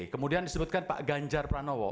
kemudian disebutkan pak ganjar pranowo